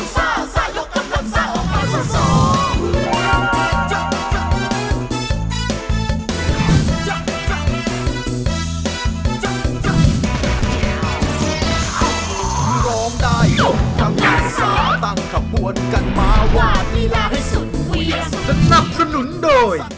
สนับสนุนโดย